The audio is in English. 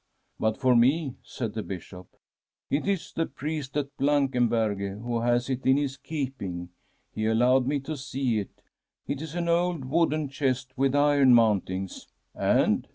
* But for me,' said the Bishop. ' It is the priest at Blankenberghe, who has it in his keeping. He allowed me to see it. It is an old wooden chest with iron mountings.' •And?'